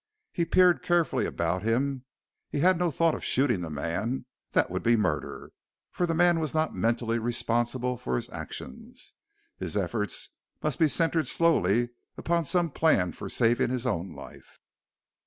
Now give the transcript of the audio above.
He peered carefully about him. He had no thought of shooting the man that would be murder, for the man was not mentally responsible for his actions. His efforts must be centered solely upon some plan for saving his own life.